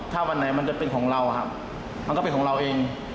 ถ้าวันไหนมันจะเป็นของเราครับมันก็เป็นของเราเอง